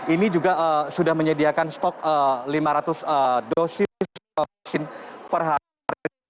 ini juga sudah menyediakan stok lima ratus dosis vaksin per hari